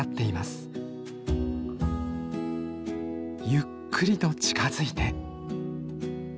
ゆっくりと近づいて。